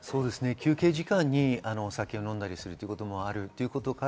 休憩時間にお酒を飲んだりするということもあることから。